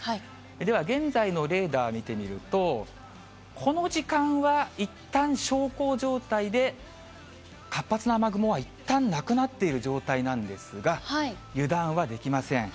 では、現在のレーダー見てみると、この時間は、いったん小康状態で、活発な雨雲はいったんなくなっている状態なんですが、油断はできません。